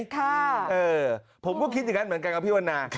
ค่ะเออผมก็คิดอย่างนั้นเหมือนกันกับพี่วันนา